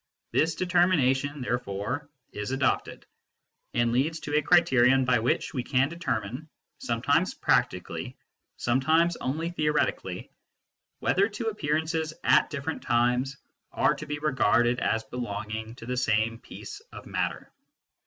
This determination, therefore, is adopted, and leads to a criterion by which we can determine, some times practically, sometimes only theoretically, whether two appearances at different times are to be regarded as belonging to the same piece of matter.